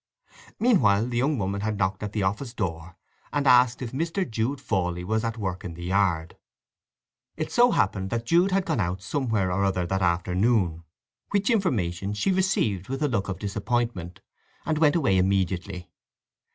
Meanwhile the young woman had knocked at the office door and asked if Mr. Jude Fawley was at work in the yard. It so happened that Jude had gone out somewhere or other that afternoon, which information she received with a look of disappointment, and went away immediately.